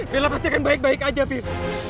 bella pasti akan baik baik aja fib